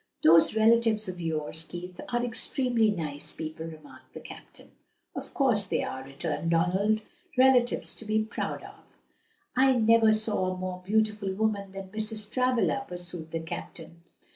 "These relatives of yours, Keith, are extremely nice people," remarked the captain. "Of course they are," returned Donald, "relatives to be proud of." "I never saw a more beautiful woman than Mrs. Travilla," pursued the captain.